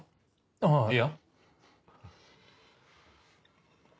ああいや。